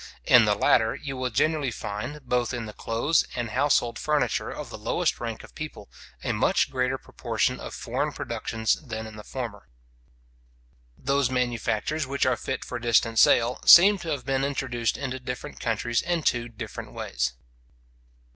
In the latter you will generally find, both in the clothes and household furniture of the lowest rank of people, a much greater proportion of foreign productions than in the former. Those manufactures which are fit for distant sale, seem to have been introduced into different countries in two different ways.